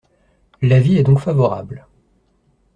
L’avis est donc favorable.